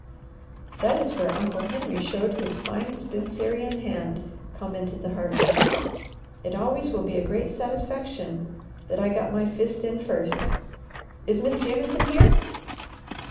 "That is where Uncle Henry showed his fine Spencerian hand," commented the Harvester. "It always will be a great satisfaction that I got my fist in first." "Is Miss Jameson here?"